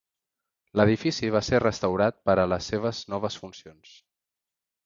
L'edifici va ser restaurat per a les seves noves funcions.